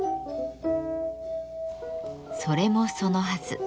それもそのはず。